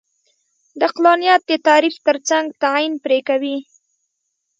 د عقلانیت د تعریف ترڅنګ تعین پرې کوي.